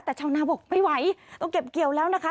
แต่ชาวนาบอกไม่ไหวต้องเก็บเกี่ยวแล้วนะคะ